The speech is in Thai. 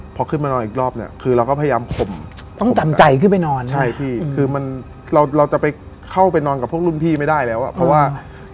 พอขึ้นมานอนอีกรอบเนี่ยคือเราก็พยายามข่มต้องจำใจขึ้นไปนอนใช่พี่คือมันเราเราจะไปเข้าไปนอนกับพวกรุ่นพี่ไม่ได้แล้วอ่ะเพราะว่า